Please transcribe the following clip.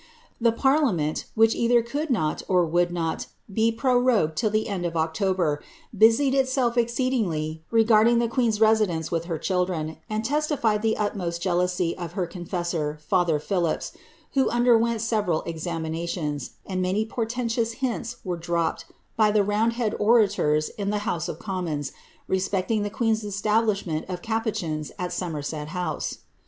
The parliament, which either could not or would not be prorogued till the end of October,' busied itself exceed ingly regarding the queen's residence with her children, and testified the utmost jealousy of her confessor, father Phillipps, who underwent seve ral examinalions, and many portentous hints were dropped by the round head orators in the House of Commons respecting tlie queen^s establiib ment of capucins at Somerset House.